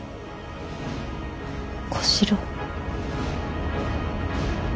小四郎。